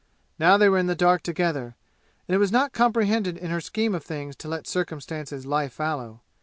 Now they were in the dark together, and it was not comprehended in her scheme of things to let circumstance lie fallow.